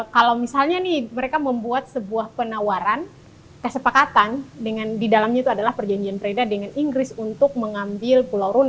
kalau misalnya nih mereka membuat sebuah penawaran kesepakatan dengan di dalamnya itu adalah perjanjian preda dengan inggris untuk mengambil pulau rune